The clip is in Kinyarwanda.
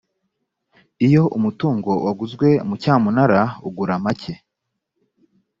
iyo umutungo waguzwe mu cyamunara aguramake.